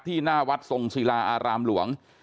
หน้าวัดทรงศิลาอารามหลวง